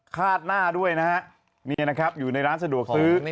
คาดหน้าด้วยนะฮะนี่นะครับอยู่ในร้านสะดวกซื้อ